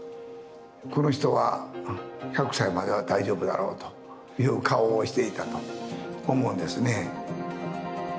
この人は１００歳までは大丈夫だろうという顔をしていたと思うんですね。